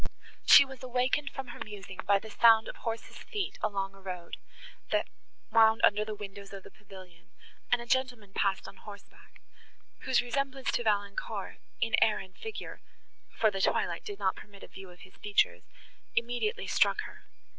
She was awakened from her musing by the sound of horses' feet along a road, that wound under the windows of the pavilion, and a gentleman passed on horseback, whose resemblance to Valancourt, in air and figure, for the twilight did not permit a view of his features, immediately struck her.